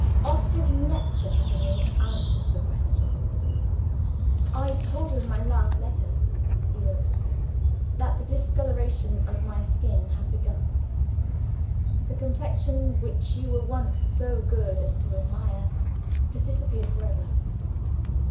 Oscar's next letter to me answered the question. "I told you in my last" (he wrote), "that the discoloration of my skin had begun. The complexion which you were once so good as to admire, has disappeared for ever.